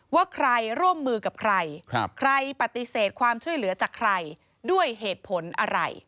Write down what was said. ว่าใครร่วมมือกับใครใครปฏิเสธความช่วยเหลือจากใครด้วยเหตุผลอะไร